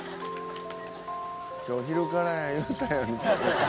「“今日昼からや言うたやん”みたいな」